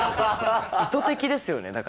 意図的ですよね、